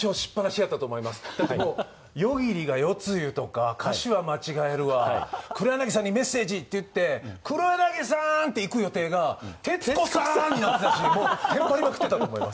だってもう「夜霧」が「夜露」とか歌詞は間違えるわ「黒柳さんにメッセージ！」って言って「黒柳さーん！」っていく予定が「徹子さーん！」になってたしもうテンパりまくってたと思います。